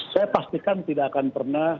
saya pastikan tidak akan pernah